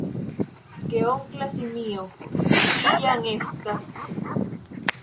Geonkla simio: "Vi jam estas!"